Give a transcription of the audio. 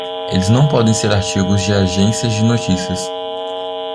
Eles não podem ser artigos de agências de notícias.